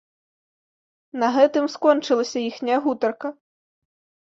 На гэтым скончылася іхняя гутарка.